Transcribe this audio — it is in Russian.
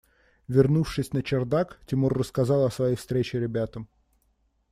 Вернувшись на чердак, Тимур рассказал о своей встрече ребятам.